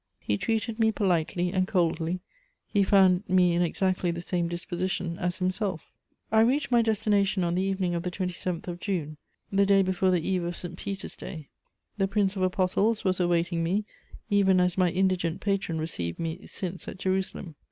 He treated me politely and coldly; he found me in exactly the same disposition as himself. [Sidenote: First glimpses of Rome.] I reached my destination on the evening of the 27th of June, the day before the eve of St. Peter's Day. The Prince of Apostles was awaiting me, even as my indigent patron received me since at Jerusalem.